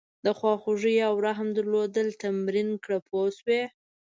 د خواخوږۍ او رحم درلودل تمرین کړه پوه شوې!.